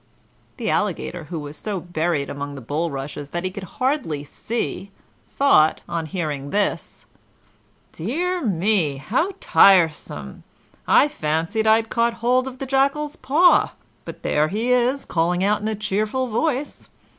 The Alligator, who was so buried among the bulrushes that he could hardly see, thought, on hearing this: "Dear me, how tiresome! I fancied I had caught hold of the Jackal's paw; but there he is, calling out in a cheerful voice.